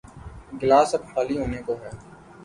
Glass اب خالی ہونے کو ہے۔